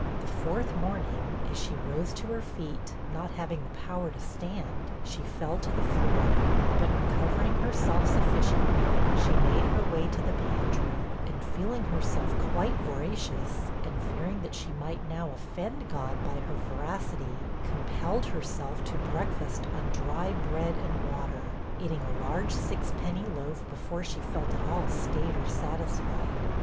The fourth morning, as she arose to her feet, not having the power to stand, she fell to the floor; but recovering herself sufficiently, she made her way to the pantry, and feeling herself quite voracious, and fearing that she might now offend God by her voracity, compelled herself to breakfast on dry bread and water eating a large six penny loaf before she felt at all stayed or satisfied.